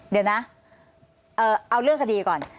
เดี๋ยวนะเอาเรื่องคดีก่อน